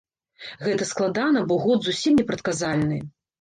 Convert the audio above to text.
Гэта складана, бо год зусім непрадказальны!